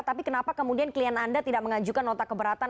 tapi kenapa kemudian klien anda tidak mengajukan nota keberatan